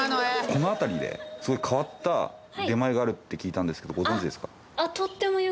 この辺りですごい変わった出前があるって聞いたんですけどご存じですか？